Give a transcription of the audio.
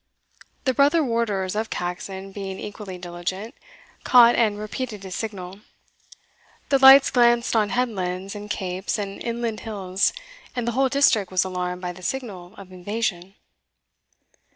The brother warders of Caxon being equally diligent, caught, and repeated his signal. The lights glanced on headlands and capes and inland hills, and the whole district was alarmed by the signal of invasion. Note J. Alarms of Invasion.